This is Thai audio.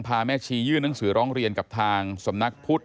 แม่ชียื่นหนังสือร้องเรียนกับทางสำนักพุทธ